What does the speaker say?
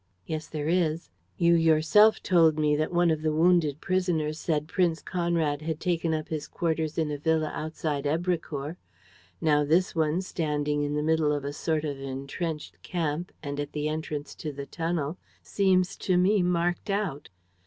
"Yes, there is. You yourself told me that one of the wounded prisoners said Prince Conrad had taken up his quarters in a villa outside Èbrecourt. Now this one, standing in the middle of a sort of entrenched camp and at the entrance to the tunnel, seems to me marked out.